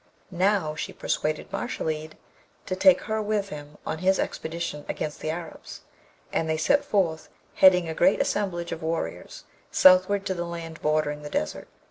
Now, she persuaded Mashalleed to take her with him on his expedition against the Arabs; and they set forth, heading a great assemblage of warriors, southward to the land bordering the Desert.